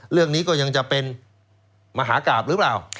เรื่องนี้ก็ยังจะเป็นมหากราบหรือเปล่า